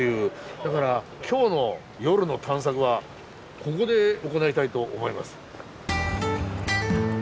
だから今日の夜の探索はここで行いたいと思います。